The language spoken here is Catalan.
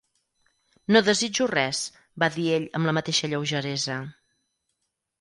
"No desitjo res", va dir ell amb la mateixa lleugeresa.